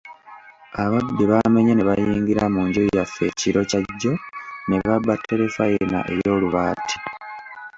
Ababbi baamenye ne bayingira mu nju yaffe ekiro kya jjo ne babba terefalina ey'olubaati.